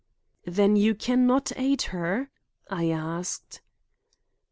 "Then you can not aid her?" I asked.